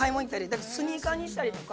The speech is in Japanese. だからスニーカーにしたりとか。